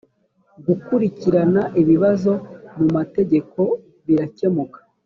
gukurikirana ibibazo mu mategeko birakemuka.